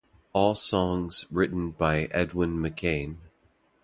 All songs written by Edwin McCain.